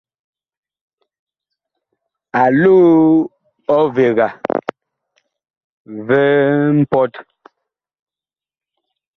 A loo ɔvega vi mpɔt.